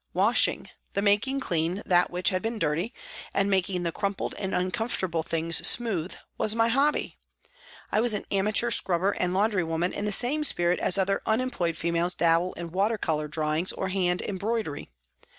Washing, the making clean that which had been dirty, and making the crumpled and uncomfortable things smooth, was my hobby. I was an amateur scrubber and laundry woman in the same spirit as other unemployed females dabble in water colour drawings or hand embroidery.